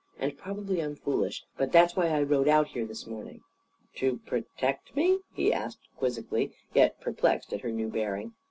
And probably I'm foolish. But that's why I rode out here this morning." "To protect me?" he asked quizzically, yet perplexed at her new bearing.